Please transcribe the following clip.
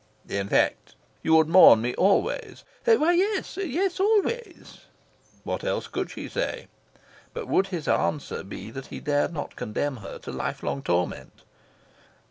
"In fact, you would mourn me always?" "Why yes!.. Y es always." What else could she say? But would his answer be that he dared not condemn her to lifelong torment?